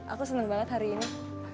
aku senang banget hari ini